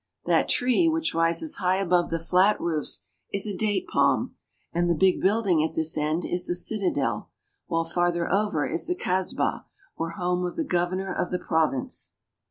That tree which rises high above the flat roofs is a date palm, and the big building at this end is the citadel, while farther over is the kasbah, or home of the governor of the province.